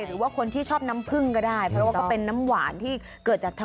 หรือว่าคนที่ชอบน้ำพึ่งก็ได้เพราะว่าก็เป็นน้ำหวานที่เกิดจากธรรมชาติดีต่อสุขภาพ